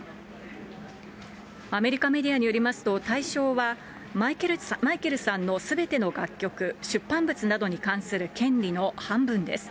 アメリカメディアによりますと、対象はマイケルさんのすべての楽曲、出版物などに関する権利の半分です。